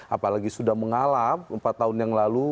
apalagi sudah mengalami empat tahun yang lalu